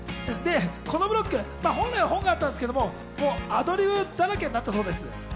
このブロック、本来は本があったんですけれど、アドリブだらけになったそうです。